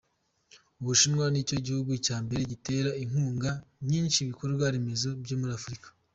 Ubushinwa ni cyo gihugu cya mbere gitera inkunga nyinshi ibikorwa-remezo byo muri Afurika.